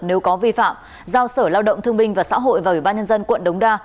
nếu có vi phạm giao sở lao động thương minh và xã hội vào ubnd quận đống đa